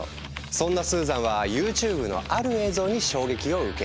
そんなスーザンはＹｏｕＴｕｂｅのある映像に衝撃を受ける。